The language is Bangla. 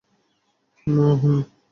ম্ম, হুম।